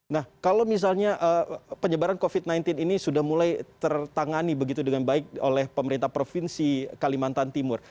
nah kalau misalnya penyebaran covid sembilan belas ini sudah mulai tertangani begitu dengan baik oleh pemerintah provinsi kalimantan timur